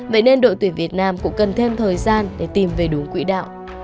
vậy nên đội tuyển việt nam cũng cần thêm thời gian để tìm về đủ quỹ đạo